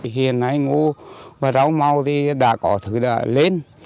hiện nay ngô và rau màu thì đã có thứ đã lên